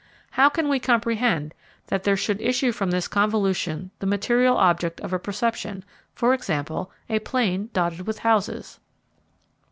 How can we comprehend that there should issue from this convolution the material object of a perception for example, a plain dotted with houses?